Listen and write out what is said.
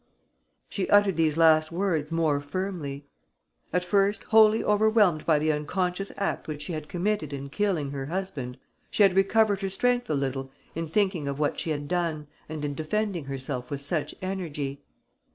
She uttered these last words more firmly. At first wholly overwhelmed by the unconscious act which she had committed in killing her husband, she had recovered her strength a little in thinking of what she had done and in defending herself with such energy.